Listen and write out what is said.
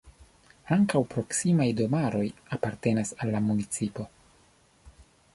Ankaŭ proksimaj domaroj apartenas al la municipo.